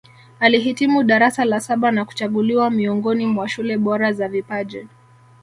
Alihitimu darasa la saba na kuchaguliwa miongoni mwa shule bora za vipaji